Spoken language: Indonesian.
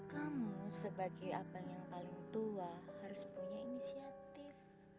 kamu sebagai abang yang paling tua harus punya inisiatif